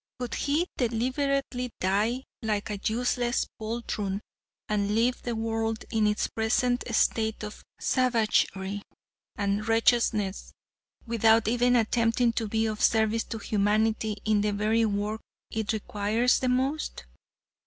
Would he deliberately die like a useless poltroon, and leave the world in its present state of savagery and wretchedness, without even attempting to be of service to humanity in the very work it requires the most?"